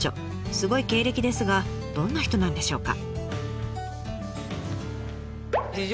すごい経歴ですがどんな人なんでしょうか？